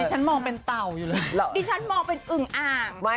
ดิฉันมองเป็นอึ่งอ่าง